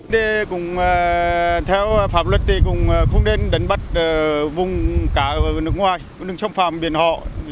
thì cũng theo pháp luật thì cũng không nên đánh bắt vùng cả nước ngoài vùng trong phạm biển họ